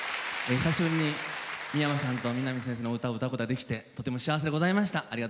久しぶりに三山さんと三波先生の歌を歌うことができてとても幸せでございました。